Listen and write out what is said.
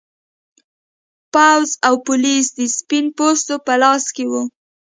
پوځ او پولیس د سپین پوستو په لاس کې و.